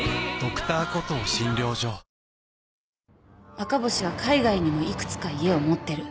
赤星は海外にもいくつか家を持ってる。